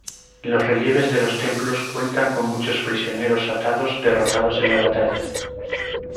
Los relieves de los templos cuentan con muchos prisioneros atados derrotados en la batalla.